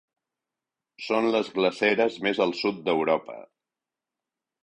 Són les glaceres més al sud d'Europa.